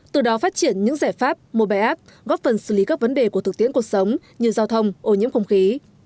từ đó phát triển những giải pháp mô bài áp góp phần xử lý các vấn đề của thực tiễn cuộc sống như giao thông ô nhiễm không khí